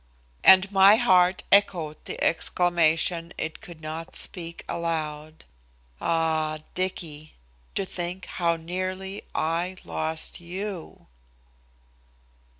And my heart echoed the exclamation could not speak aloud: "Ah! Dicky, to think how nearly I lost YOU."